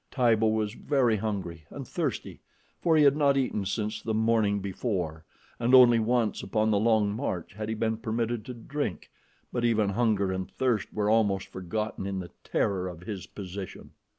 Tibo was very hungry and thirsty, for he had not eaten since the morning before, and only once upon the long march had he been permitted to drink, but even hunger and thirst were almost forgotten in the terror of his position.